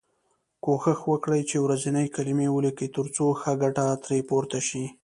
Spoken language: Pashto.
کوښښ وکړی چې ورځنۍ کلمې ولیکی تر څو ښه ګټه ترې پورته شی.